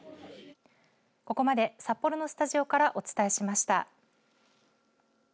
ここまで、札幌のスタジオからお伝えしました。